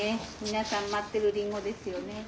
皆さん待ってるりんごですよね。